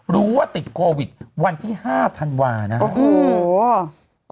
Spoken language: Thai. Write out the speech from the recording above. รู้ว่าติดโควิดวันที่๕ธันวาคม